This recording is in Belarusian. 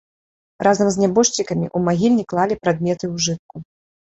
Разам з нябожчыкамі ў магільні клалі прадметы ўжытку.